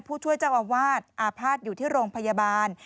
ผู้ช่วยเจ้าอาวาสอาภาษณ์อยู่ที่โรงพยาบาล